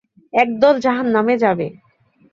একদল জাহান্নামে যাবে।